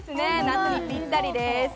夏にぴったりです。